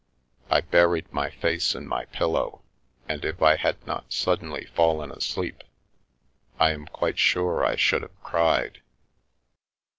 I buried my face in my pillow, and if I had not suddenly fallen asleep, I am quite sure I should have cried.